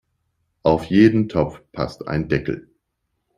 Auf jeden Topf passt ein Deckel.